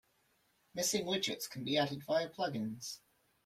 Missing widgets can be added via plugins.